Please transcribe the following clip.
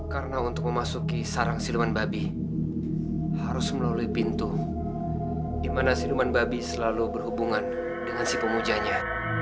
karena untuk memasuki sarang siluman babi harus melalui pintu di mana siluman babi selalu berhubungan dengan si pemuja nya